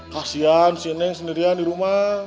kasian si neng sendirian di rumah